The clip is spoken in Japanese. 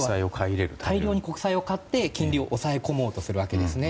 大量に国債を買って金利を抑え込もうとするわけですね。